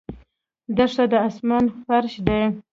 دښته د آسمان فرش دی.